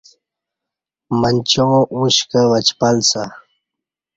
منچاں ا ݩش کہ وچپل سہ